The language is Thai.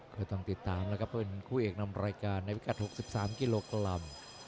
ก็ต้องติดตามนะครับว่าเป็นคู่เอกนำรายการในพิกัด๖๓กิโลกรัม